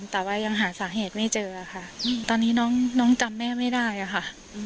แต่ว่ายังหาสาเหตุไม่เจอค่ะตอนนี้น้องจำแม่ไม่ได้อะค่ะ